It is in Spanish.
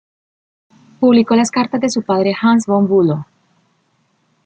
Publicó las cartas de su padre Hans von Bülow.